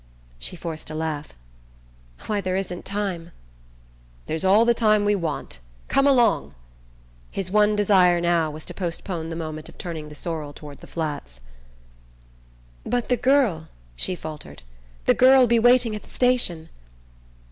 She forced a laugh. "Why, there isn't time!" "There's all the time we want. Come along!" His one desire now was to postpone the moment of turning the sorrel toward the Flats. "But the girl," she faltered. "The girl'll be waiting at the station."